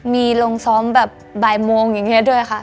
มีลงซ้อมแบบบ่ายโมงอย่างนี้ด้วยค่ะ